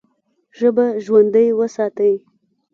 ژبه ژوندۍ وساتئ!